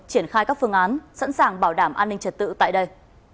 triển khai các phương án sẵn sàng bảo đảm an ninh trật tự tại đây